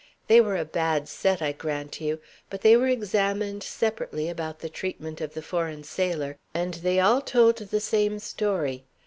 They were a bad set, I grant you. But they were examined separately about the treatment of the foreign sailor, and they all told the same story.